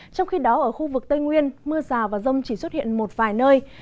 trong khi đó ở khu vực tây nguyên mưa rào và rông chỉ xuất hiện một vài nơi